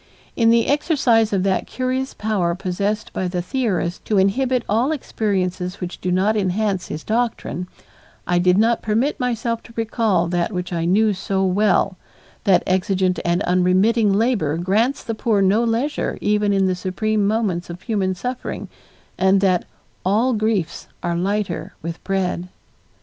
In the exercise of that curious power possessed by the theorist to inhibit all experiences which do not enhance his doctrine, I did not permit myself to recall that which I knew so well that exigent and unremitting labor grants the poor no leisure even in the supreme moments of human suffering and that "all griefs are lighter with bread."